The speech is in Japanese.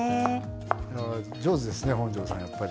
上手ですね本上さんやっぱり。